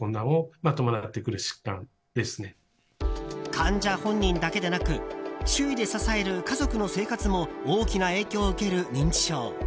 患者本人だけでなく周囲で支える家族の生活も大きな影響を受ける、認知症。